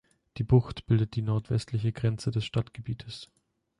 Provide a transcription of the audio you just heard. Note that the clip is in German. Die Bucht bildet die nordwestliche Grenze des Stadtgebietes.